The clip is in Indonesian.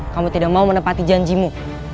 kamu tidak mau menepati janjimu